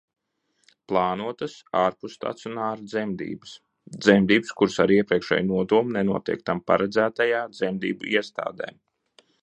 Plānotas ārpusstacionāra dzemdības – dzemdības, kuras ar iepriekšēju nodomu nenotiek tām paredzētajā dzemdību iestādē.